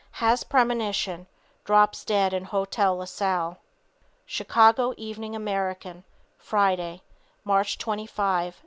HAS PREMONITION DROPS DEAD IN HOTEL LA SALLE. Chicago Evening American, Friday, March 25, 1921.